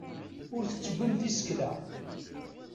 Ur tettebbimt isekla.